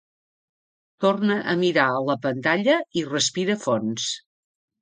Torna a mirar la pantalla i respira fons.